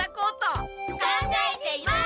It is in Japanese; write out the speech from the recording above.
考えています！